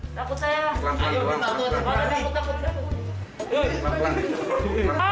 takut saya lah